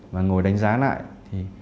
mà ngồi đánh giá lại